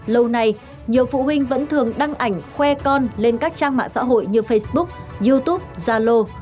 lâu nay nhiều phụ huynh vẫn thường đăng ảnh khoe con lên các trang mạng xã hội như facebook youtube zalo